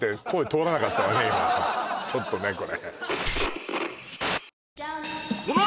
今ちょっとね